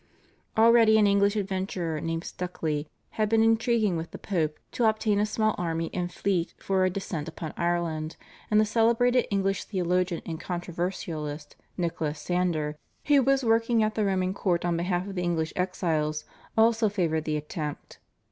Already an English adventurer named Stukely had been intriguing with the Pope to obtain a small army and fleet for a descent upon Ireland, and the celebrated English theologian and controversialist, Nicholas Sander, who was working at the Roman Court on behalf of the English exiles, also favoured the attempt.